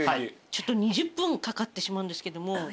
ちょっと２０分かかってしまうんですけども。